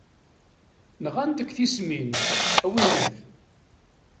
Nɣant-k tissmin, a winnat.